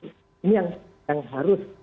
ini yang harus